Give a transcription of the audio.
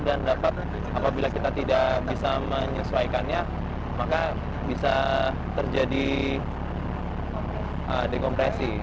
dan apabila kita tidak bisa menyesuaikannya maka bisa terjadi dekompresi